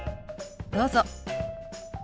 どうぞ。